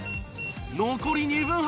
残り２分半